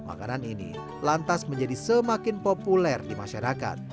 makanan ini lantas menjadi semakin populer di masyarakat